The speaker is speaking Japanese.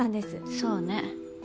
そうね。